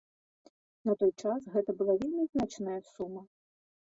На той час гэта была вельмі значная сума.